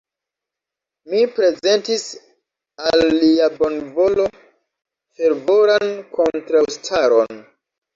Mi prezentis al lia bonvolo fervoran kontraŭstaron.